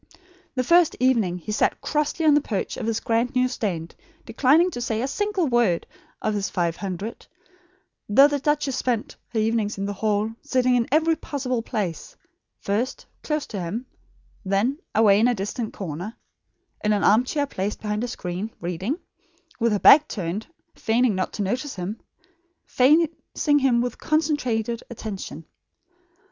The first evening he sat crossly on the perch of his grand new stand, declining to say a single one of his five hundred words, though the duchess spent her evening in the hall, sitting in every possible place; first close to him; then, away in a distant corner; in an arm chair placed behind a screen; reading, with her back turned, feigning not to notice him; facing him with concentrated attention.